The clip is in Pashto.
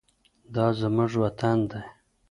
دا زموږ وطن دی.